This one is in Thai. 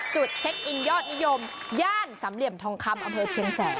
เช็คอินยอดนิยมย่านสำเหลี่ยมทองคำอำเภอเชียงแสน